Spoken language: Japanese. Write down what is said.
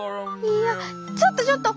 いやちょっとちょっと！